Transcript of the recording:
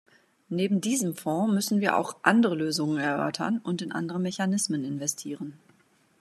Neben diesem Fonds müssen wir auch andere Lösungen erörtern und in andere Mechanismen investieren.